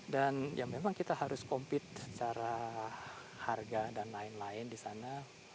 dan ya memang kita harus kompit secara harga dan lain lain di sana